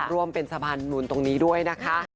ร่วมเป็นสะพานมุนตรงนี้ด้วยนะคะ